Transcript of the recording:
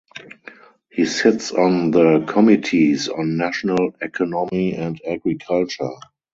He sits on the committees on National Economy and Agriculture.